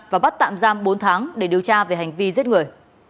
và bắt tạm giam bốn tháng để điều tra về hành vi giết người